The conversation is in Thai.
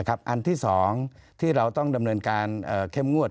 อันที่๒ที่เราต้องดำเนินการเข้มงวด